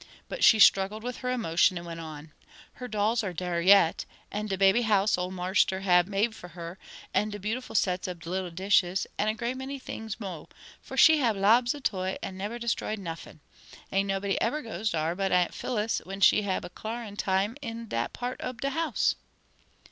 But she struggled with her emotion and went on, "Her dolls are dere yet, an' de baby house ole marster hab made for her; an' de beautiful sets ob little dishes, an' a great many tings mo'; for she hab lots ob toys an' neber destroyed nuffin. An' nobody eber goes dar but Aunt Phillis when she hab a clarin' up time in dat part ob de house."